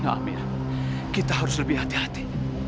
kami kita harus lebih hati hati